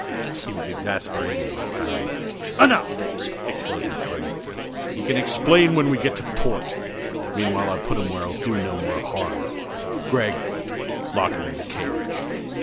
He was exasperatingly silent. "Enough!" exploded Carter. "He can explain when we get to port. Meanwhile I'll put him where he'll do no more harm. Gregg, lock him in the cage."